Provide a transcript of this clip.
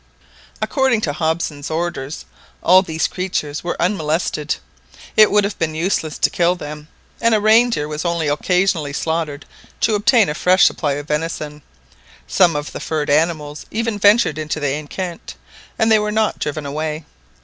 According to Hobson's orders, all these creatures were unmolested. It would have been useless to kill them, and a reindeer was only occasionally slaughtered to obtain a fresh supply of venison. Some of the furred animals even ventured into the enceinte, and they were not driven away.